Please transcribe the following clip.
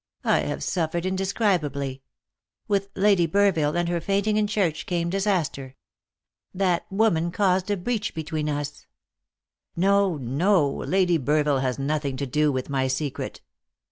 I have suffered indescribably. With Lady Burville and her fainting in church came disaster. That woman caused a breach between us " "No, no! Lady Burville has nothing to do with my secret."